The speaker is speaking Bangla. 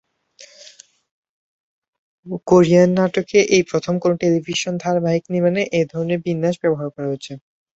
কোরিয়ান নাটকে এই প্রথম কোনো টেলিভিশন ধারাবাহিক নির্মাণে এ ধরনের বিন্যাস ব্যবহার করা হয়েছে।